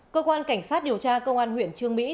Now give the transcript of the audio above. cơ quan cảnh sát điều tra công an huyện trương mỹ